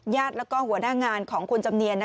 ญาติและหัวหน้างานของคุณจำเนียน